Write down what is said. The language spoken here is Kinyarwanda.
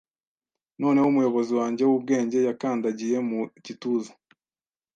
Noneho umuyobozi wanjye wubwenge yakandagiye mu gituza